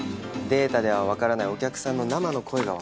データではわからないお客さんの生の声がわかるんです。